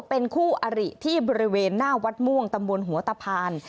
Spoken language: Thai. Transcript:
เป็นคู่อริที่บริเวณหน้าวัดม่วงตำบลหัวตะพาน